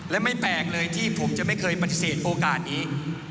และไม่แปลกเลยที่ผมจะไม่เคยปฏิเสธโอกาสนี้